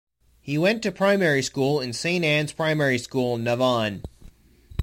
He went to Primary School in St.Annes Primary School, Navan.